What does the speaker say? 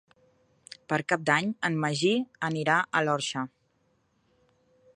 Per Cap d'Any en Magí anirà a l'Orxa.